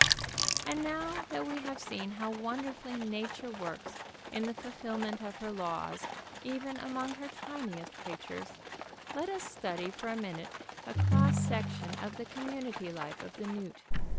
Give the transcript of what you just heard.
And now that we have seen how wonderfully Nature works in the fulfilment of her laws, even among her tiniest creatures, let us study for a minute a cross section of the community life of the newt.